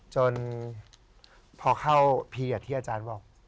จนพอเข้าพีชที่อาจารย์บอก